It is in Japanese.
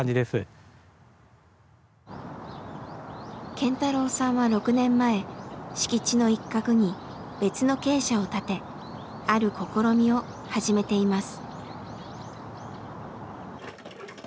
健太郎さんは６年前敷地の一角に別の鶏舎を建てある試みを始めています。